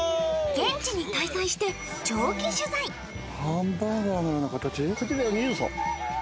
・現地に滞在して長期取材・ハンバーガーのような形・口笛二重奏。